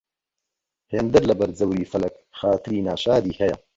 هێند لەبەر جەوری فەلەک خاتری ناشادی هەیە